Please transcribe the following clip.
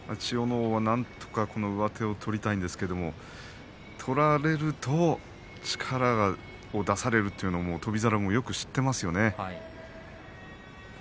皇はなんとか上手を取りたいところですが取られると力が出されるということは翔猿がよく知っていますね。